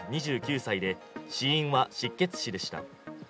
２９歳で死因は失血死でした。